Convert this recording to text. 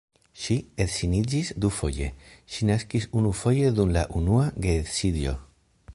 Ŝi edziniĝis dufoje, ŝi naskis unufoje dum la unua geedziĝo.